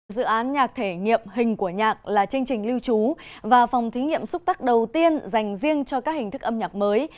dự án nhạc thể nghiệm hình của nhạc là chương trình lưu trú và phòng thí nghiệm xúc tắc đầu tiên dành riêng cho các hình thức âm nhạc mới